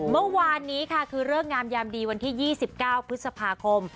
เมื่อวานนี้ค่ะคือเลิกงามยามดีวันที่๒๙พฤษภาคม